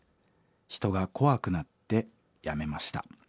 人が怖くなって辞めました。